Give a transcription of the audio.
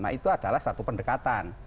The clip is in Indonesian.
nah itu adalah satu pendekatan